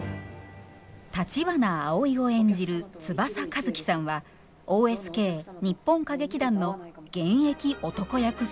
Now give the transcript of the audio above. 橘アオイを演じる翼和希さんはＯＳＫ日本歌劇団の現役男役スター。